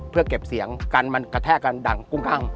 เพื่อเก็บเสียงกันมันกระแทกกันดังกุ้งอั้ง